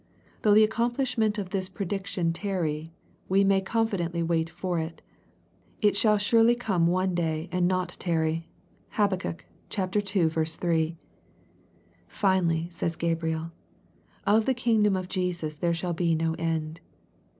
Though the accomplishment of this prediction tarry, we may confidently wait for it. It shall surely come one day and not tarry. (Hab. ii. 3.) Finally, says Gabriel, " Of the kingdom of Jesus there shall be no end."